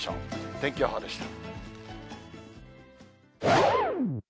天気予報でした。